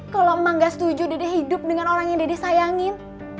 kalau emang gak setuju dede hidup dengan orang yang dede sayangin